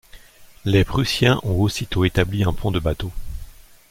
Les Prussiens ont aussitôt établi un pont de bateaux.